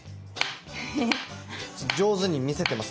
上手に見せてます